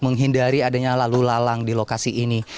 menghindari adanya lalu lalang di lokasi ini